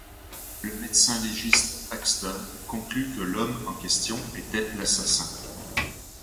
Le médecin légiste Baxter conclut que l'homme en question était l'assassin.